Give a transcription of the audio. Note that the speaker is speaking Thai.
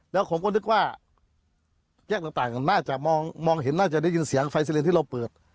และผมก็นึกว่าแยกจากต่างน่าจะมองเห็นน่าจะได้ยินเสียงฟัยเซอร์เรนท์ที่เราเปิด